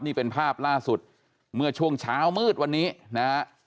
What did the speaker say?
นี่เป็นภาพล่าสุดเมื่อช่วงเช้ามืดวันนี้นะฮะ